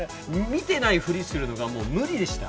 見てないふりするのがもう無理でした。